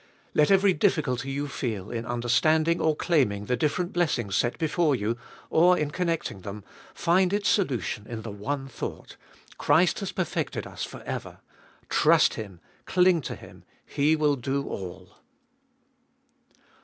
Let every difficulty you feel in understanding or claiming the different blessings set before you, or in connecting them, find its solution in the one thought— Christ has perfected us for ever; trust Him, cling to Him, He will do all.